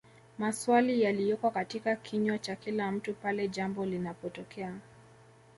Masawli yaliyoko katika kinywa cha kila mtu pale jambo linapotokea